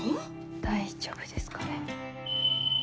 大丈夫ですかね。